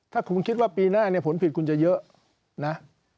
ถ้าคุณคิดว่าปีหน้าผลผิดคุณจะเยอะ